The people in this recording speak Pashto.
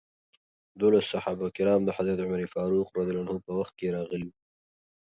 دولس صحابه کرام د حضرت عمر فاروق په وخت کې راغلي وو.